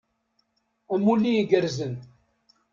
Amulli igerrzen!